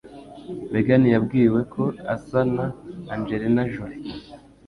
Megan yabwiwe ko asa na Angelina Jolie.